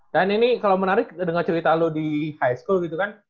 dan ini kalau menarik dengar cerita lo di high school gitu kan